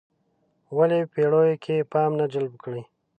ولې پېړیو کې پام نه جلب کړی.